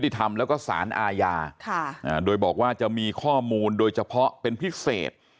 ธรรมแล้วก็สารอาญาโดยบอกว่าจะมีข้อมูลโดยเฉพาะเป็นพิเศษ